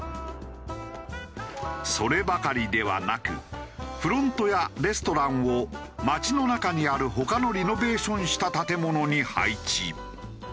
そればかりではなくフロントやレストランを町の中にある他のリノベーションした建物に配置。